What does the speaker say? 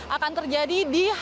akan terjadi di h tiga